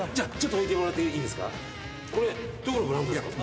置いてもらっていいですか。